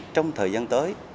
trong thời gian tới